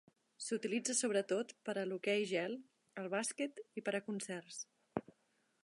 S'utilitza sobretot per a hoquei gel, el bàsquet i per a concerts.